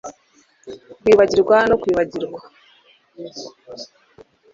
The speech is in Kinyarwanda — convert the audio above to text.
Kwibagirwa no kwibagirwa